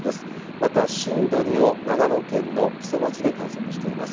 また震度２を長野県のきそ町で観測しています。